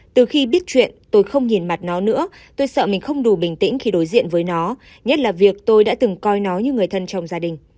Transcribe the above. từ khi biết chuyện tôi không nhìn mặt nó nữa tôi sợ mình không đủ bình tĩnh khi đối diện với nó nhất là việc tôi đã từng coi nó như người thân trong gia đình